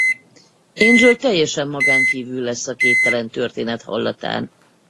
Angel teljesen magán kívül lesz a képtelen történet hallatán.